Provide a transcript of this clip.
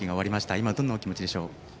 今、どんなお気持ちでしょう？